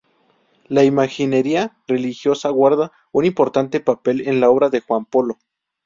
La imaginería religiosa guarda un importante papel en la obra de Juan Polo.